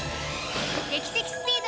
劇的スピード！